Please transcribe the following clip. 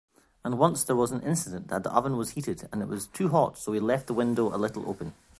And once there was an incident that the oven was heated and it was too hot so we left the window a little open.